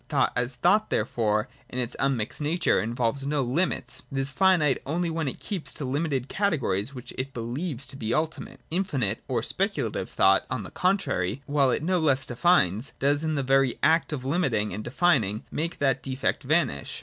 Thought, as thought, therefore in its unmixed nature involves no limits ; it is finite only when it keeps to limited categories, which it believes to be ultimate. Infinite or speculative thought, on the contrary, while it no less 28.] PRE KANTIAN METAPHYSIC. 63 defines, does in the very act of limiting and defining make that defect vanish.